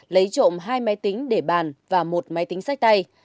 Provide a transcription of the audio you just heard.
lấy trộm hai máy tính để bàn và một máy tính sách tay